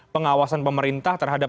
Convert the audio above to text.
pengawasan pemerintah terhadap